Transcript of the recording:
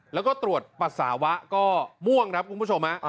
แล้วก็ตรวจปัสสาวะก็ม่วงครับคุณผู้ชม